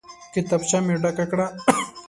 کتابچه مې ډکه کړه.